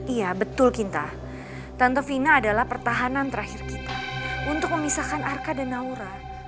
iya betul kita tante vina adalah pertahanan terakhir kita untuk memisahkan arka dan naura